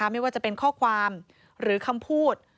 ไม่ว่าจะเป็นข้อความหรือคำพูด